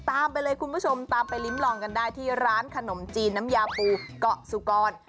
ตามไปเลยคุณผู้ชมตามไปลิ้มลองกันได้ที่ร้านขนมจีนน้ำยาปูเกาะสุกร